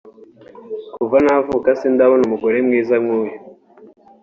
Kuva navuka sindabona umugore mwiza nk’uyu